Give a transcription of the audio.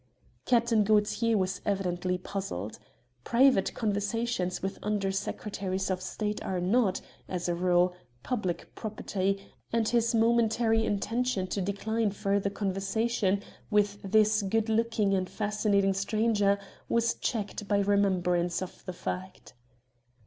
Captain Gaultier was evidently puzzled. Private conversations with Under Secretaries of State are not, as a rule, public property, and his momentary intention to decline further conversation with this good looking and fascinating stranger was checked by remembrance of the fact.